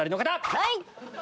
はい！